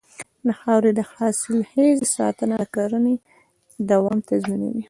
د خاورې د حاصلخېزۍ ساتنه د کرنې دوام تضمینوي.